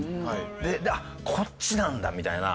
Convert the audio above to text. で「こっちなんだ」みたいな。